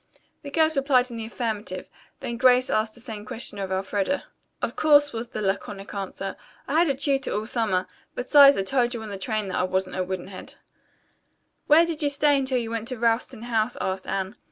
The girls replied in the affirmative, then Grace asked the same question of Elfreda. "Of course," was the laconic answer. "I had a tutor all summer, besides I told you on the train that I wasn't a wooden head." "Where did you stay until you went to Ralston House?" asked Anne.